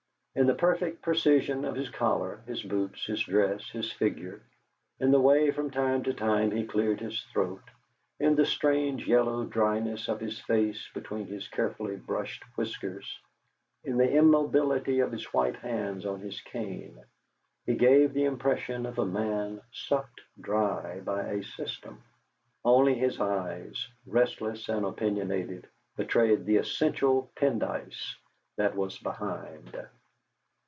In the perfect precision of his collar, his boots, his dress, his figure; in the way from time to time he cleared his throat, in the strange yellow driedness of his face between his carefully brushed whiskers, in the immobility of his white hands on his cane, he gave the impression of a man sucked dry by a system. Only his eyes, restless and opinionated, betrayed the essential Pendyce that was behind.